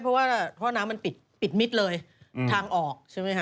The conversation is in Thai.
ซึ่งตอน๕โมง๔๕นะฮะทางหน่วยซิวได้มีการยุติการค้นหาที่